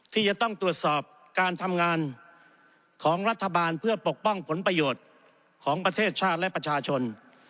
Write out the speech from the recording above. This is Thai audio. ที่จะต้องตรวจสอบการทำงานของรัฐบาลเพื่อปกป้องผลประโยชน์ของประเทศชาติและประชาชน